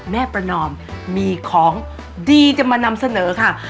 แม่ประนอมมีของดีจะมานำเสนอค่ะ